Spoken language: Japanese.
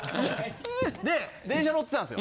で電車乗ってたんですよ。